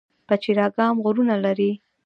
پچیر اګام غرونه لري؟